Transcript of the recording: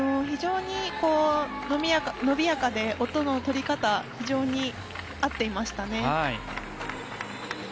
非常に伸びやかで音の取り方が非常に合っていましたね。